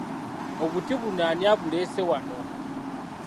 Obuti buno ani abuleese wano?